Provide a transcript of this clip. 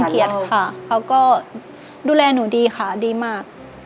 รังเกียจค่ะเค้าก็ดูแลหนูดีค่ะดีมาก